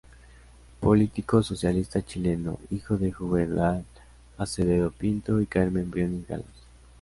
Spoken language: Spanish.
Político socialista chileno, hijo de Juvenal Acevedo Pinto y Carmen Briones Galaz.